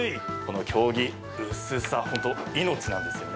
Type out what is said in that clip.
経木、薄さ本当、命なんですよね。